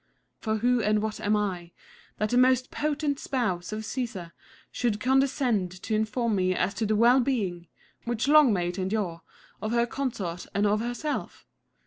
For who and what am I, that the most potent spouse of Caesar should condescend to inform me as to the well being (which long may it endure !) of her Consort and of herself